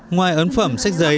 ngoài ấn phẩm sách giấy